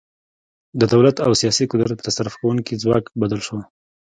د دولت او سیاسي قدرت په تصرف کوونکي ځواک بدل شو.